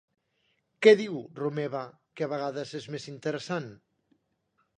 Què diu Romeva que a vegades és més interessant?